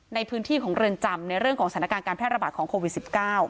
ในพื้นที่ของเรือนจำในเรื่องของสถานการณ์การแพร่ระบาดของโควิด๑๙